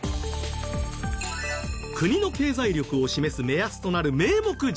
国の経済力を示す目安となる名目ＧＤＰ。